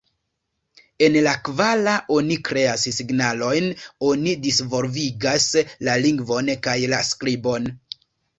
En la kvara oni kreas signalojn, oni disvolvigas la lingvon kaj la skribon.